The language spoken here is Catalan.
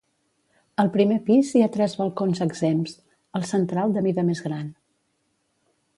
Al primer pis hi ha tres balcons exempts, el central de mida més gran.